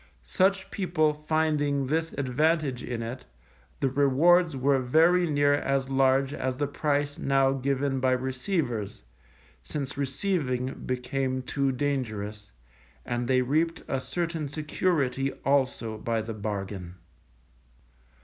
Such people finding this advantage in it, the rewards were very near as large as the price now given by receivers (since receiving became too dangerous), and they reaped a certain security also by the bargain.